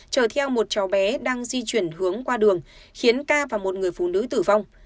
chở theo một cháu bé đang di chuyển hướng qua đường khiến ca và một người phụ nữ tử vong